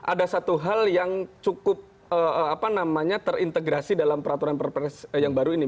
ada satu hal yang cukup terintegrasi dalam peraturan perpres yang baru ini